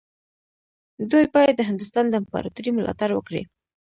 دوی باید د هندوستان د امپراطورۍ ملاتړ وکړي.